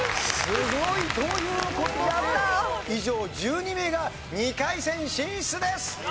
以上１２名が２回戦進出です！